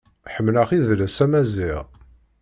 Ḥemmleɣ idles amaziɣ.